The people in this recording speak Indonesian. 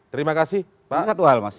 terima kasih pak